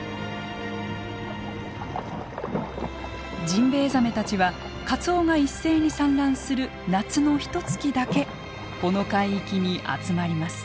ジンベエザメたちはカツオが一斉に産卵する夏のひとつきだけこの海域に集まります。